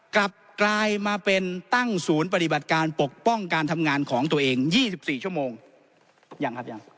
กลับกลายมาเป็นตั้งศูนย์ปฏิบัติการปกป้องการทำงานของตัวเอง๒๔ชั่วโมงยังครับยัง